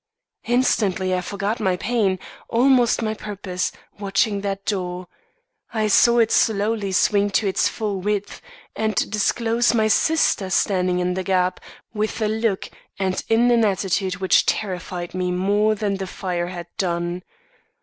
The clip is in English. "Instantly, I forgot my pain, almost my purpose, watching that door. I saw it slowly swing to its full width, and disclose my sister standing in the gap, with a look and in an attitude which terrified me more than the fire had done.